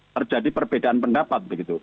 terjadi perbedaan pendapat begitu